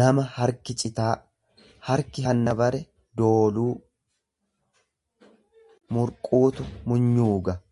nama harki citaa, Harki hanna bare dooluu; murquutu munyuuga.